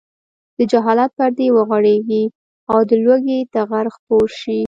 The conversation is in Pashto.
د جهالت پردې وغوړېږي او د لوږې ټغر خپور شي.